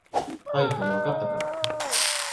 はいはい、分かったから。